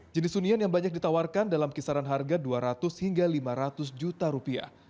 jenis hunian yang banyak ditawarkan dalam kisaran harga dua ratus hingga lima ratus juta rupiah